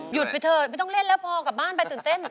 หยุดไปเถอะไม่ต้องเล่นเลยพอกากบ้านไปตื่นเต้น